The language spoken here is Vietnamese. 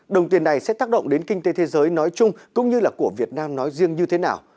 đồng tiền này sẽ tác động đến kinh tế thế giới nói chung cũng như là của việt nam nói riêng như thế nào